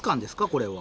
これは。